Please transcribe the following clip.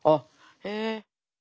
へえ。